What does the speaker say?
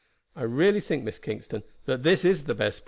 I really think, Miss Kingston, that this plan is the best.